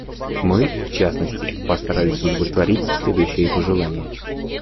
Мы, в частности, постарались удовлетворить следующие пожелания.